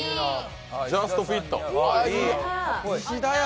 ジャストフィット。